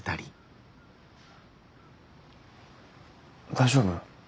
大丈夫？